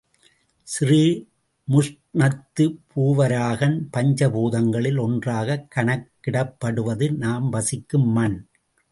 ஸ்ரீமுஷ்ணத்து பூவராகன் பஞ்ச பூதங்களில் ஒன்றாகக் கணக்கிடப்படுவது நாம் வசிக்கும் மண்.